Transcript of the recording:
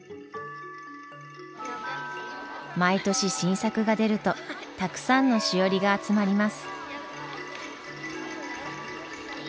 毎年新作が出るとたくさんのしおりが集まります。